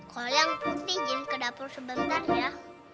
koliang putri izin ke dapur sebentar ya